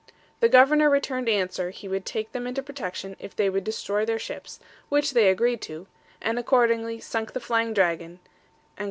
The governor returned answer he would take them into protection if they would destroy their ships, which they agreed to, and accordingly sunk the Flying Dragon, &c.